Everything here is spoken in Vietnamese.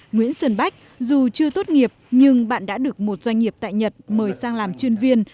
nguyễn xuân bách dù chưa tốt nghiệp nhưng bạn đã được một doanh nghiệp tại nhật mời sang làm chuyên viên